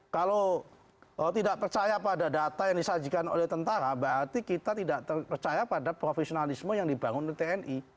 kalau tidak percaya pada data yang disajikan oleh tentara berarti kita tidak terpercaya pada profesionalisme yang dibangun oleh tni